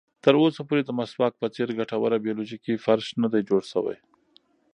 تر اوسه پورې د مسواک په څېر ګټوره بیولوژیکي فرش نه ده جوړه شوې.